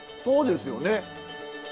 そうですよね。